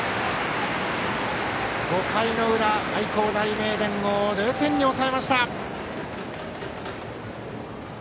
５回の裏、愛工大名電を０点に抑えました。